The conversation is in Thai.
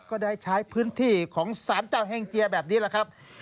ก็ได้ใช้พื้นที่ของสารเจ้าแห้งเจียแบบนี้แหละครับ